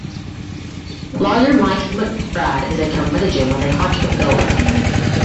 Lawyer Mike McBride is a curmudgeon with a heart of gold.